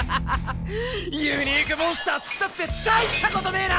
ユニークモンスターっつったって大したことねぇな！